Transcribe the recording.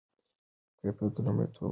کیفیت ته لومړیتوب ورکړئ.